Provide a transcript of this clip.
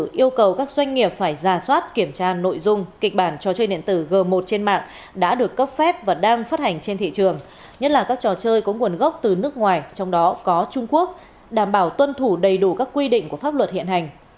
các yêu cầu các doanh nghiệp phải ra soát kiểm tra nội dung kịch bản trò chơi điện tử g một trên mạng đã được cấp phép và đang phát hành trên thị trường nhất là các trò chơi có nguồn gốc từ nước ngoài trong đó có trung quốc đảm bảo tuân thủ đầy đủ các quy định của pháp luật hiện hành